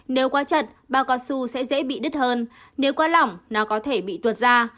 nếu quá chật bao cao su sẽ dễ bị đứt hơn nếu quá lỏng nó có thể bị tuột ra